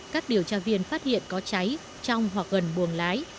các điều tra viên phát hiện có cháy trong hoặc gần buồng lái